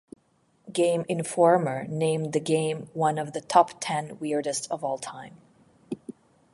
"Game Informer" named the game one of the top ten weirdest of all time.